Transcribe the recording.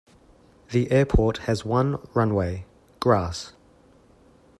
The airport has one runway; grass.